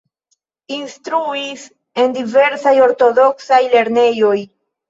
Instruis en diversaj ortodoksaj lernejoj.